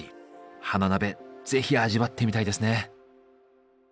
花鍋是非味わってみたいですね。